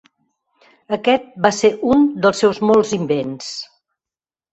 Aquest va ser un dels seus molts invents.